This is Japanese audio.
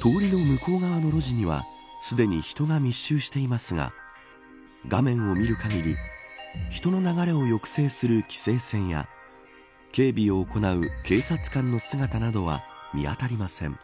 通りの向こうの路地にはすでに人が密集していますが画面を見る限り人の流れを抑制する規制線や警備を行う警察官の姿などは見当たりません。